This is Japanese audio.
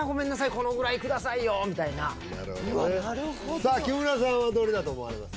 このぐらいくださいよみたいななるほどねさあ木村さんはどれだと思われます？